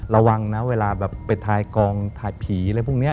ระวังนะเวลาแบบไปทายกองถ่ายผีอะไรพวกนี้